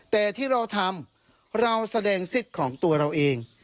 แต่ที่เราทำเราแสดงสิทธิ์ของตัวเราเอง